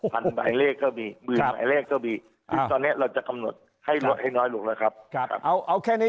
พันหมายเลขก็มีหมื่นหมายเลขก็มี